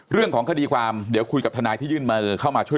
เรื่องของคดีความเดี๋ยวคุยกับทนายที่ยื่นมือเข้ามาช่วย